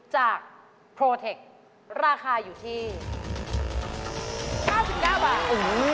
จากโปรเทคราคาอยู่ที่๙๙บาท